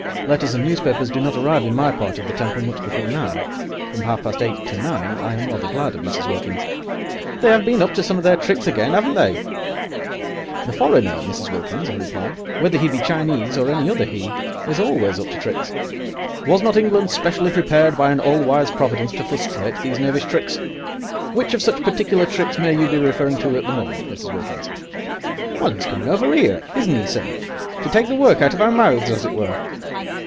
Letters and newspapers do not arrive in my part of the Temple much before nine. From half past eight to nine I am rather glad of Mrs. Wilkins. "They 'ave been up to some of their tricks again, 'aven't they?" "The foreigner, Mrs. Wilkins," I replied, "whether he be Chinee or any other he, is always up to tricks. Was not England specially prepared by an all wise Providence to frustrate these knavish tricks? Which of such particular tricks may you be referring to at the moment, Mrs. Wilkins?" "Well, 'e's comin' over 'ere—isn't he, sir? to take the work out of our mouths, as it were."